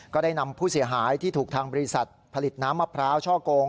ก็ได้นำผู้เสียหายที่ถูกทางบริษัทผลิตน้ำมะพร้าวช่อกง